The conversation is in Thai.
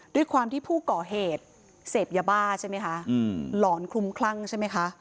ด้วยความที่ผู้ก่อเหตุเสพยาบ้าใช่ไหมคะหลอนคลุมคลั่งใช่ไหมคะ